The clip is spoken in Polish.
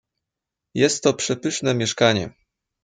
"jest to przepyszne mieszkanie."